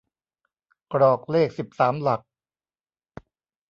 กรอกเลขสิบสามหลัก